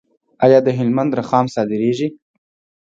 آیا د هلمند رخام صادریږي؟